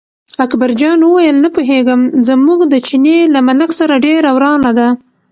اکبرجان وویل نه پوهېږم، زموږ د چیني له ملک سره ډېره ورانه ده.